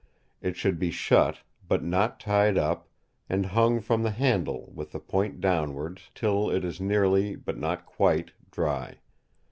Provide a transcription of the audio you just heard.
It should be shut, but not tied up, and hung from the handle, with the point downwards, till it is nearly, but not quite dry.